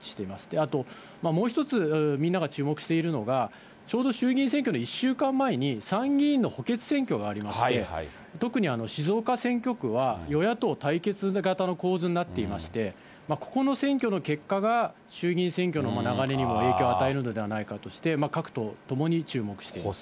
あともう一つみんなが注目しているのが、ちょうど衆議院選挙の１週間前に、参議院の補欠選挙がありまして、特に静岡選挙区は与野党対決型の構図になっていまして、ここの選挙の結果が衆議院選挙の流れにも影響を与えるのではないかとして、各党ともに注目しています。